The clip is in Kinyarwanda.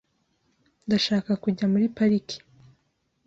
Ndashaka kujya muri pariki.